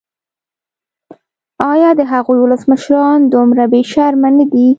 ایا د هغوی ولسمشران دومره بې شرمه نه دي.